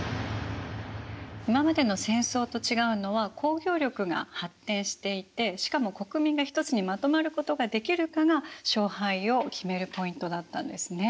今までの戦争と違うのは工業力が発展していてしかも国民がひとつにまとまることができるかが勝敗を決めるポイントだったんですね。